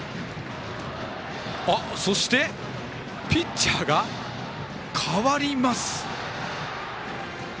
そして、ピッチャーが代わります。